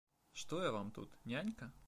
Что я Вам тут, нянька?